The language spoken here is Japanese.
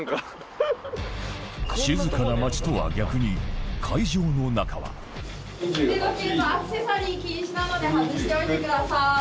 静かな街とは逆に腕時計とアクセサリー禁止なので外しておいてください。